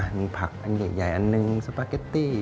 มีผักอันใหญ่อันหนึ่งสปาเกตตี้